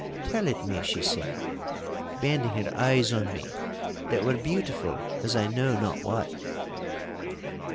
'Tell it me,' she said, bending her eyes on me, that were beautiful as I know not what.